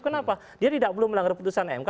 kenapa dia tidak perlu melanggar putusan mk